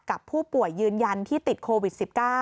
กับผู้ป่วยยืนยันที่ติดโควิด๑๙